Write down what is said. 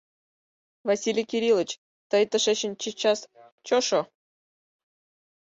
— Василий Кирилыч, тый тышечын чечас чошо.